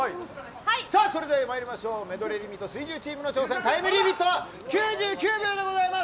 それではまいりましょうメドレーリミット水１０チームの挑戦タイムリミットは９９秒です。